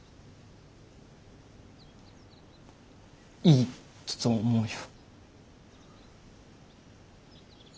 いいと思うよ。